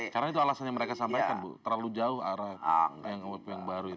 karena itu alasan yang mereka sampaikan terlalu jauh arah yang baru itu